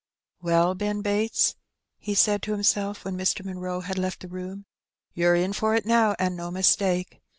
^'Well, Ben Bates," he said to himself when Mr. Munroe had left the room, ^'you're in for it now, and no mistake.